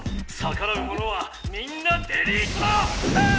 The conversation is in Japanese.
さからうものはみんなデリートだ！